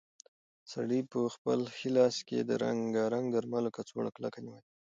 سړي په خپل ښي لاس کې د رنګارنګ درملو کڅوړه کلکه نیولې وه.